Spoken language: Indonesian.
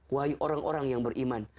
wahai orang orang yang beriman